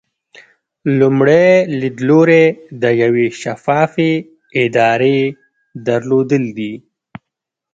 لومړی لیدلوری د یوې شفافې ادارې درلودل دي.